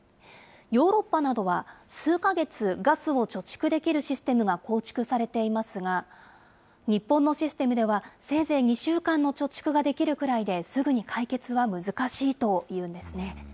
ヨーロッパなどは、数か月ガスを貯蓄できるシステムが構築されていますが、日本のシステムでは、せいぜい２週間の貯蓄ができるくらいで、すぐに解決は難しいというんですね。